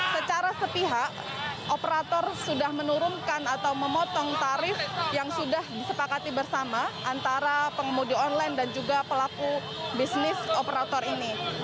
secara sepihak operator sudah menurunkan atau memotong tarif yang sudah disepakati bersama antara pengemudi online dan juga pelaku bisnis operator ini